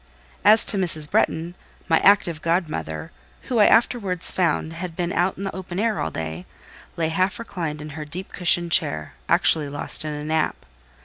As to Mrs. Bretton, my active godmother—who, I afterwards found, had been out in the open air all day—lay half reclined in her deep cushioned chair, actually lost in a nap.